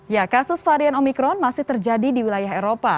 ya kasus varian omikron masih terjadi di wilayah eropa